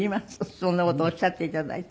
そんな事おっしゃって頂いて。